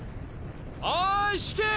おいシキ！